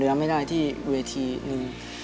แล้วก็จำน้ำไม่ได้ที่เวทีนึง